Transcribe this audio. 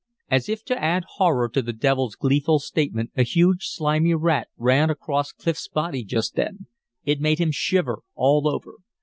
As if to add horror to the devil's gleeful statement, a huge slimy rat ran across Clif's body just then; it made him shiver all over.